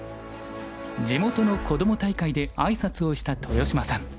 地元のこども大会で挨拶をした豊島さん。